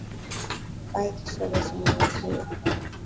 Akupaye kisogo si mwenzio